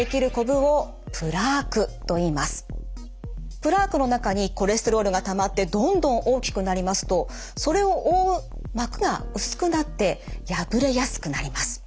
プラークの中にコレステロールがたまってどんどん大きくなりますとそれを覆う膜が薄くなって破れやすくなります。